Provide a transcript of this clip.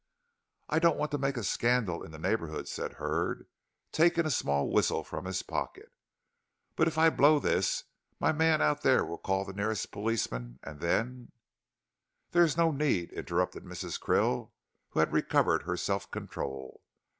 "I don't want to make a scandal in the neighborhood," said Hurd, taking a small whistle from his pocket, "but if I blow this my man out there will call the nearest policeman, and then " "There is no need," interrupted Mrs. Krill, who had recovered her self control.